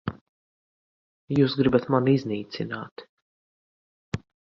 Jūs gribat mani iznīcināt.